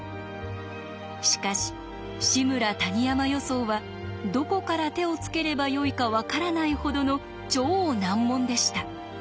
しかし「志村−谷山予想」はどこから手をつければよいか分からないほどの超難問でした。